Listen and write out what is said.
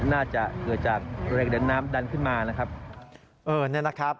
น่าจะเกิดจากเรื่องแห่งเดินน้ำดันขึ้นมานะครับ